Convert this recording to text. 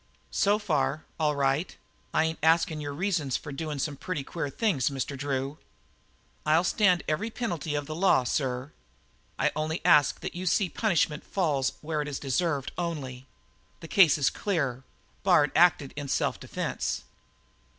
"So far, all right. I ain't askin' your reasons for doin' some pretty queer things, Mr. Drew." "I'll stand every penalty of the law, sir. I only ask that you see that punishment falls where it is deserved only. The case is clear. Bard acted in self defence."